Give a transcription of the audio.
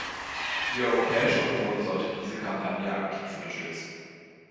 Die Europäische Union sollte diese Kampagne aktiv unterstützen.